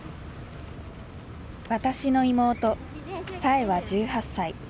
私の妹彩英は１８歳。